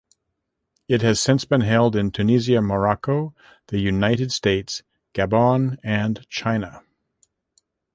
It has since been held in Tunisia, Morocco, the United States, Gabon and China.